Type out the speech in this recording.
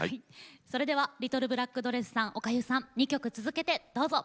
それではリトルブラックドレスさんおかゆさん２曲続けてどうぞ。